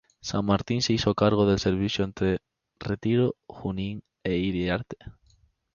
San Martín se hizo cargo del servicio entre Retiro, Junín e Iriarte.